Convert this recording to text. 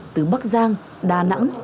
từ bắc giang đà nẵng